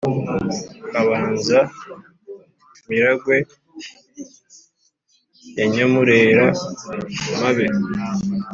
Habanza Miragwe ya Nyamurera-mpabe